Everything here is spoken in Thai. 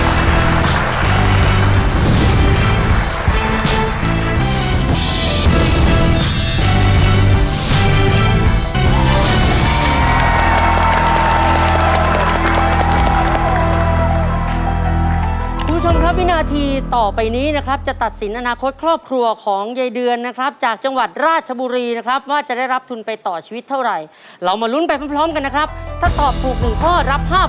คุณผู้ชมครับวินาทีต่อไปนี้นะครับจะตัดสินอนาคตครอบครัวของยายเดือนนะครับจากจังหวัดราชบุรีนะครับว่าจะได้รับทุนไปต่อชีวิตเท่าไหร่เรามาลุ้นไปพร้อมกันนะครับถ้าตอบถูกหนึ่งข้อรับ๕๐๐